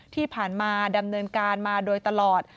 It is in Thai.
ที่ผ่านมาดำเนินการมาโดยตลอด